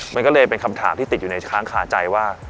มันก็เลยเป็นคำถามที่ติดอยู่ในช้างขาใจว่า